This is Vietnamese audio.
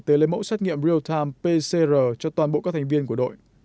tới lấy mẫu xét nghiệm real time pcr cho toàn bộ các thành viên của đội